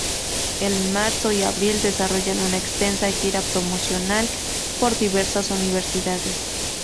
En marzo y abril desarrollan una extensa gira promocional por diversas universidades.